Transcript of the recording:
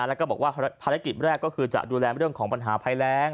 แล้วก็บอกว่าภารกิจแรกก็คือจะดูแลเรื่องของปัญหาภัยแรง